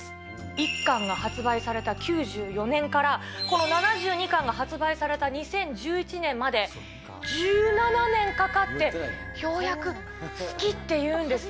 １巻が発売された９４年からこの７２巻が発売された２０１１年まで、１７年かかってようやく好きって言うんです。